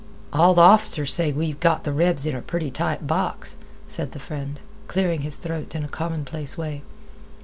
"All th' officers say we've got th' rebs in a pretty tight box," said the friend, clearing his throat in a commonplace way.